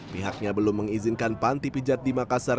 pihaknya belum mengizinkan panti pijat di makassar